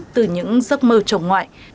từ những giấc mơ trồng ngoại